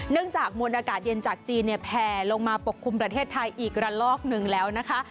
จากมวลอากาศเย็นจากจีนเนี่ยแผ่ลงมาปกคลุมประเทศไทยอีกระลอกหนึ่งแล้วนะคะ